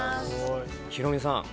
ヒロミさん